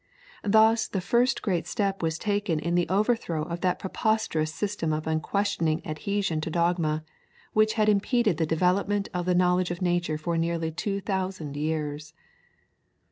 Thus the first great step was taken in the overthrow of that preposterous system of unquestioning adhesion to dogma, which had impeded the development of the knowledge of nature for nearly two thousand years.